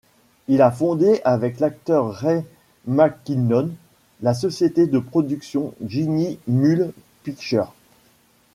Il a fondé avec l'acteur Ray McKinnon la société de production Ginny Mule Pictures.